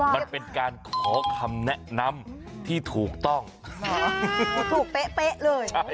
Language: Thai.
มันเป็นการขอคำแนะนำที่ถูกต้องถูกเป๊ะเลย